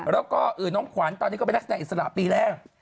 แล้วก็น้องขวัญตอนนี้ก็เป็นนักแสดงอิสระปีแรก